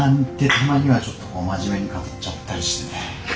たまにはちょっと真面目に語っちゃったりしてね。